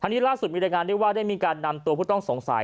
อันนี้ล่าสุดมีรายงานได้ว่าได้มีการนำตัวผู้ต้องสงสัย